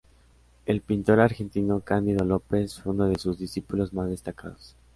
El pintor argentino Cándido López, fue uno de sus discípulos más destacados.